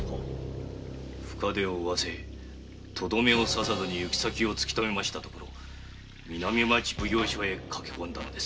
深傷を負わせ止めを刺さず行き先を突きとめましたところ南町奉行所へ駆け込んだのです。